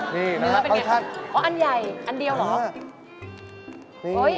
เนื้อเป็นอย่างไรอันใหญ่อันเดียวหรือ